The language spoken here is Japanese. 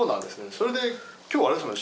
それで今日あれですよね。